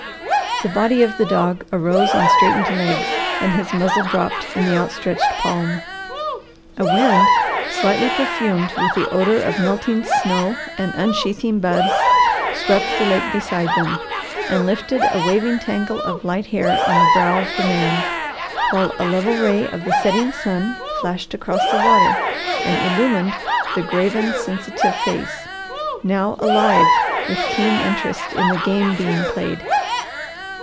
The body of the dog arose on straightened legs and his muzzle dropped in the outstretched palm. A wind slightly perfumed with the odour of melting snow and unsheathing buds swept the lake beside them, and lifted a waving tangle of light hair on the brow of the man, while a level ray of the setting sun flashed across the water and illumined the graven, sensitive face, now alive with keen interest in the game being played.